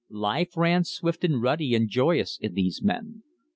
Life ran swift and ruddy and joyous in these men.